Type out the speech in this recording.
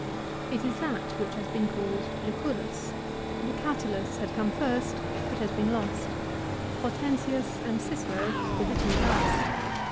It is that which has been called Lucullus. The Catulus had come first, but has been lost. Hortensius and Cicero were the two last.